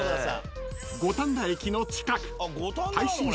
［五反田駅の近く］